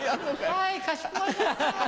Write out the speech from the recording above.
はいかしこまりました。